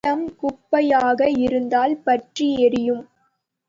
கூளம், குப்பையாக இருந்தால் பற்றி எரியும்!